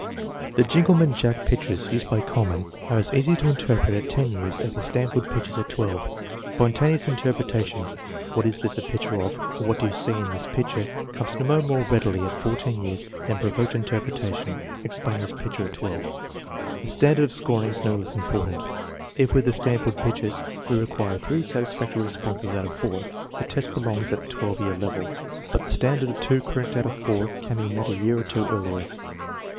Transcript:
The Jingleman Jack pictures used by Kuhlmann are as easy to interpret at 10 years as the Stanford pictures at 12. Spontaneous in terpretation (" What is this a picture of? " or " What do you see in this picture? ") comes no more readily at 14 years than provoked interpretation (" Explain this pic ture ") at 1. The standard of scoring is no less important. If with the Stanford pictures we require three satisfactory responses out of four, the test belongs at the 18 year level, but the standard of two correct out of four can be met a year or two earlier.